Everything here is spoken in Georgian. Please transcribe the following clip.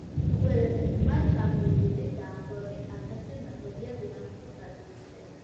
ყველაზე ღრმა ჭაბურღილი დაახლოებით ათასჯერ ნაკლებია დედამიწის რადიუსზე.